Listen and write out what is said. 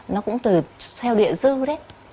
nó cũng theo địa dư đấy